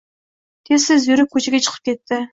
Tez-tez yurib ko‘chaga chiqib ketdi.